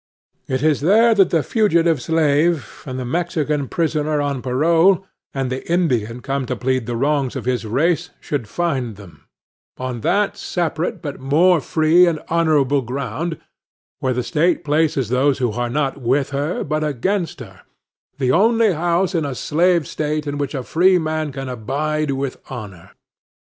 It is there that the fugitive slave, and the Mexican prisoner on parole, and the Indian come to plead the wrongs of his race, should find them; on that separate, but more free and honorable ground, where the State places those who are not with her but against her,—the only house in a slave state in which a free man can abide with honor.